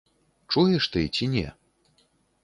Чуеш ты ці не?